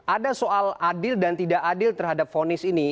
ada soal adil dan tidak adil terhadap fonis ini